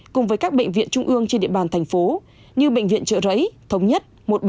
cùng với các bệnh viện trung ương trên địa bàn thành phố như bệnh viện trợ rẫy thống nhất một trăm bảy mươi